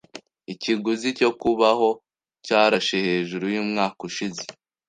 Ikiguzi cyo kubaho cyarashe hejuru yumwaka ushize.